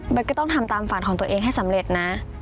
มันก็ต้องทำตามฝันของตัวเองให้สำเร็จนะ